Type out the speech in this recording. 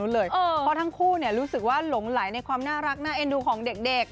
เพราะทั้งคู่รู้สึกว่าหลงไหลในความน่ารักน่าเอ็นดูของเด็ก